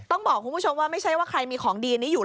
ต้องบอกคุณผู้ชมว่าไม่ใช่ว่าใครมีของดีนี้อยู่